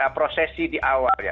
prosesi di awal ya